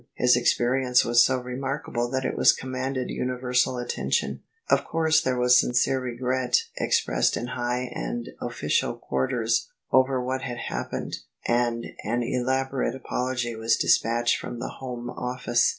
His experience was so remarkable that it com manded universal attention. Of course there was sincere regret expressed in high and official quarters over what had happened, and an elaborate apology was despatched from the Home Office.